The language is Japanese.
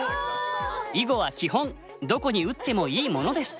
囲碁は基本どこに打ってもいいものです。